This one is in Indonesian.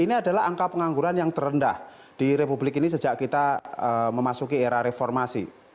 ini adalah angka pengangguran yang terendah di republik ini sejak kita memasuki era reformasi